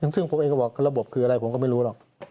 ซึ่งผมเองก็บอกระบบคืออะไรผมก็ไม่รู้หรอก